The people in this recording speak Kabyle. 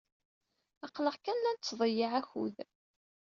Aql-aɣ kan la nettḍeyyiɛ akud.